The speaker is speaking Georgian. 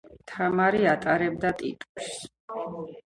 თამარი ატარებდა ტიტულს